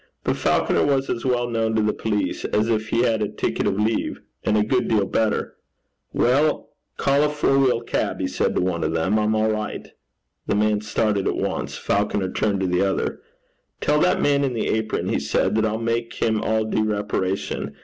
But Falconer was as well known to the police as if he had a ticket of leave, and a good deal better. 'Call a four wheel cab,' he said to one of them. 'I'm all right.' The man started at once. Falconer turned to the other. 'Tell that man in the apron,' he said, 'that I'll make him all due reparation.